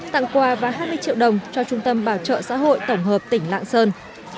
tặng quà và hai mươi triệu đồng cho trung tâm bảo trợ xã hội tổng hợp tỉnh lạng sơn